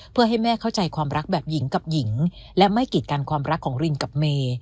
เพื่อให้แม่เข้าใจความรักแบบหญิงกับหญิงและไม่กีดกันความรักของรินกับเมย์